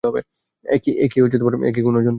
এ কি কোনো জন্তু?